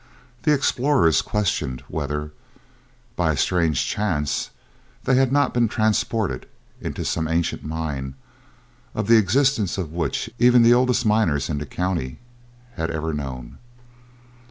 The explorers question whether, by a strange chance, they had not been transported into some ancient mine, of the existence of which even the oldest miners in the county had ever known.